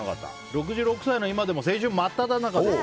６６歳の今でも青春真っただ中です。